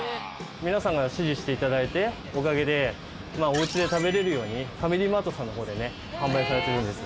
皆さんが支持して頂いておかげでおうちで食べられるようにファミリーマートさんの方でね販売されているんです。